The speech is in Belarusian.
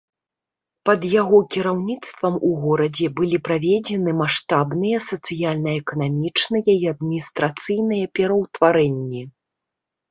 Пад яго кіраўніцтвам у горадзе былі праведзены маштабныя сацыяльна-эканамічныя і адміністрацыйныя пераўтварэнні.